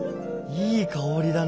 いい香りだね。